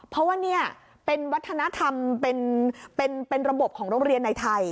เพราะว่านี่เป็นวัฒนธรรมเป็นระบบของโรงเรียนในไทย